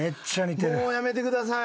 もうやめてください。